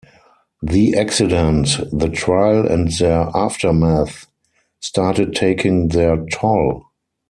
The accident, the trial and their aftermath started taking their toll.